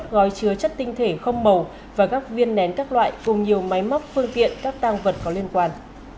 hai mươi một gói chứa chất tinh thể không màu và góc viên nén các loại cùng nhiều máy móc phương tiện các tăng vật có liên quan